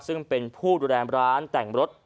ซึ่งเป็นผู้ดูแลร้านแต่งรถ